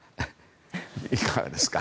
いかがですか？